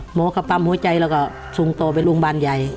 หมอก็ปั๊มหัวใจแล้วก็ส่งต่อไปโรงพยาบาลใหญ่